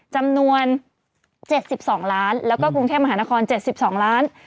จำนวน๗๒ล้านแล้วก็กรุงเทพมหานคร๗๒ล้าน